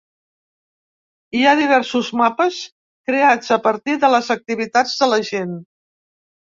Hi ha diversos mapes creats a partir de les activitats de la gent.